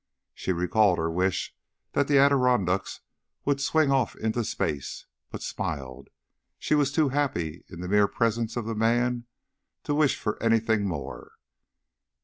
She recalled her wish that the Adirondacks would swing off into space, but smiled: she was too happy in the mere presence of the man to wish for anything more.